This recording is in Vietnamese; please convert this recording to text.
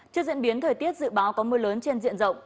trước diễn biến thời tiết dự báo có mưa lớn trên diện rộng